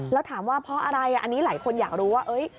แล้วถามว่าเพราะอะไรอันนี้หลายคนอยากรู้ว่า